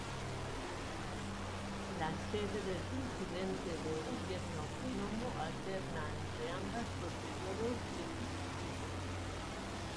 La sede del Presidente del Gobierno autónomo alterna entre ambas por periodos legislativos.